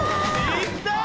いった！